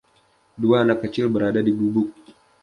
Dua anak kecil berada di gubuk.